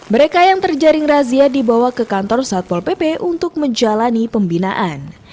mereka yang terjaring razia dibawa ke kantor satpol pp untuk menjalani pembinaan